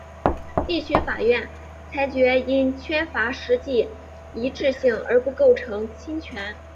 地区法院裁决因缺乏实际一致性而不构成侵权。